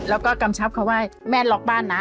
แล้วก็กำชับเขาว่าแม่ล็อกบ้านนะ